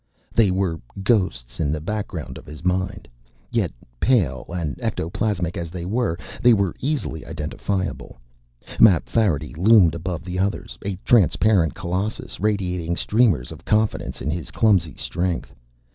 They were ghosts in the background of his mind. Yet, pale and ectoplasmic as they were, they were easily identifiable. Mapfarity loomed above the others, a transparent Colossus radiating streamers of confidence in his clumsy strength.